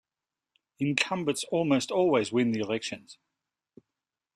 Incumbents almost always win the elections.